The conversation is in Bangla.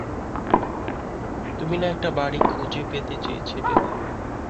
তুমি না একটা বাড়ি খুঁজে পেতে চেয়েছিলে?